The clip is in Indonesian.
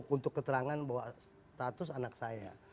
untuk keterangan bahwa status anak saya